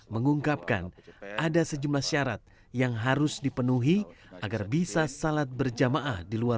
mengungkapkan ada sejumlah syarat yang harus dipenuhi agar bisa salat berjamaah di luar